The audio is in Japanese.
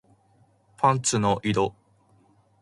パンツの色